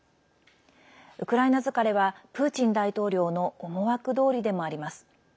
ウクライナ疲れはプーチン大統領の思惑どおりでもあります。